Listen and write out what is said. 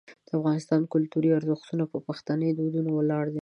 د افغانستان کلتوري ارزښتونه په پښتني دودونو ولاړ دي.